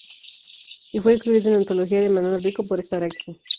Y fue incluido en la Antología de Manuel Rico "Por estar aquí.